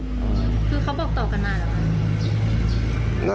คือเขาบอกต่อกันหมดเนิดเหรอ